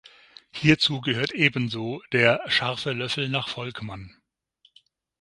Hierzu gehört ebenso der "scharfe Löffel nach Volkmann".